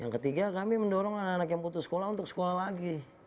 kami juga mendorong anak anak yang putus sekolah untuk masuk sekolah lagi